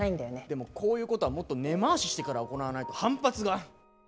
でもこういうことはもっと根回ししてから行わないと反発が。